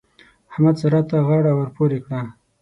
احمد؛ سارا ته غاړه ور پورې کړه.